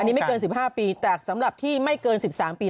อันนี้ไม่เกิน๑๕ปีแต่สำหรับที่ไม่เกิน๑๓ปี